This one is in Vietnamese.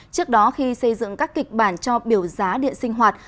trước đó khi xây dựng các kịch bản cho biểu giá điện sinh hoạt